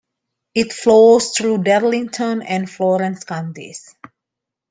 It flows through Darlington and Florence counties.